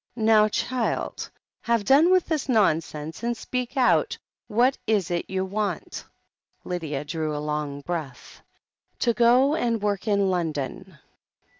"Now, child, have done with this nonsense and speak out. What is it you want ?" Lydia drew a long breath. 84 THE HEEL OF ACHILLES "To go and work in London."